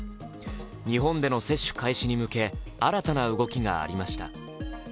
日本での接種開始に向け、新たな動きがありました。